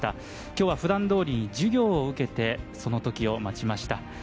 今日はふだんどおりに授業を受けて、そのときを待ちました。